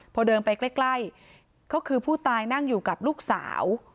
พอเดินไปใกล้ก็คือผู้ตายนั่งอยู่กับลูกสาว